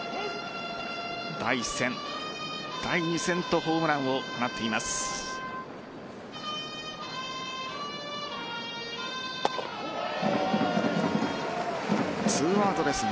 第１戦、第２戦とホームランを放っています。